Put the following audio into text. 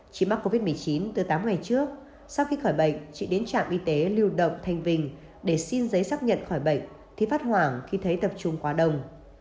chị mắc covid một mươi chín từ tám ngày trước sau khi khỏi bệnh chị đến trạm y tế lưu động thanh bình để xin giấy xác nhận khỏi bệnh thì phát hoảng khi thấy tập trung quá đông